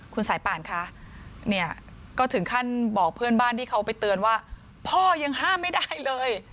คุณสายป่านคะเนี่ยก็ถึงขั้นบอกเพื่อนบ้านที่เขาไปเตือนว่าพ่อยังห้ามไม่ได้เลย